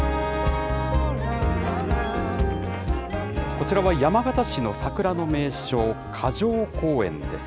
こちらは山形市の桜の名所、霞城公園です。